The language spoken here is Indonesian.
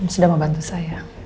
sudah membantu saya